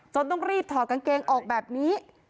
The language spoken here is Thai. ต้องรีบถอดกางเกงออกแบบนี้